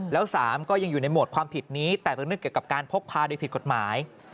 แล้ว๓ก็ยังอยู่ในโหมดความผิดนี้แต่ระนึกเกี่ยวกับการพกพาโดยผิดกฎหมาย